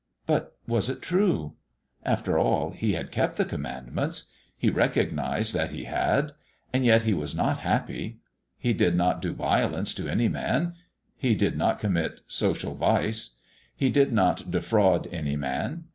But was it true? After all, he had kept the Commandments he recognized that he had; and yet he was not happy. He did not do violence to any man. He did not commit social vice. He did not defraud any man.